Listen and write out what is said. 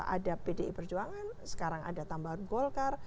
ada pdi perjuangan sekarang ada tambahan golkar